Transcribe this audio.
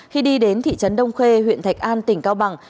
khi đi đến thị trấn đông khê huyện thạch an tỉnh cao bằng